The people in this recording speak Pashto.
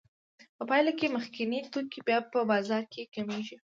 په پایله کې مخکیني توکي بیا په بازار کې کمېږي